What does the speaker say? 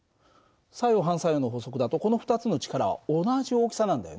作用・反作用の法則だとこの２つの力は同じ大きさなんだよね。